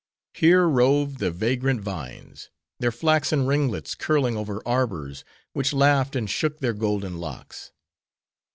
Here roved the vagrant vines; their flaxen ringlets curling over arbors, which laughed and shook their golden locks.